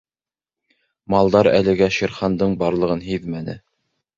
— Малдар әлегә Шер Хандың барлығын һиҙмәне.